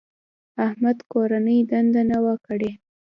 احمد کورنۍ دنده نه وه کړې.